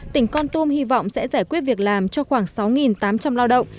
tỉnh con tum hy vọng sẽ giải quyết việc làm cho khoảng sáu tám trăm linh lao động